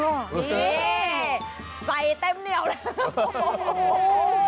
เฮ่ยใส่เต้มเหนียวเลย